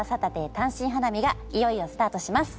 『単身花日』がいよいよスタートします。